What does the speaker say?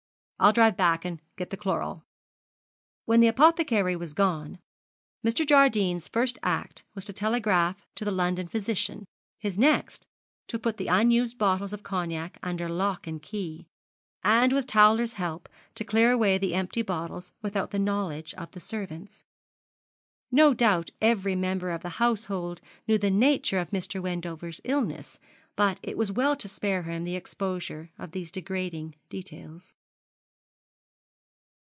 'I'll drive back and get the chloral.' When the apothecary was gone, Mr. Jardine's first act was to telegraph to the London physician, his next, to put the unused bottles of cognac under lock and key, and, with Towler's help, to clear away the empty bottles without the knowledge of the servants. No doubt every member of the household knew the nature of Mr. Wendover's illness; but it was well to spare him the exposure of these degrading details.